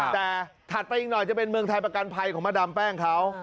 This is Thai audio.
แต่ถัดไปอีกหน่อยจะเป็นเมืองไทยประกันภัยของมาดามแป้งเขา